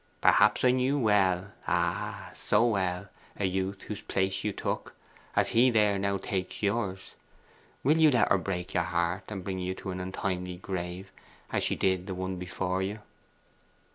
Perhaps I knew well ah, so well! a youth whose place you took, as he there now takes yours. Will you let her break your heart, and bring you to an untimely grave, as she did the one before you?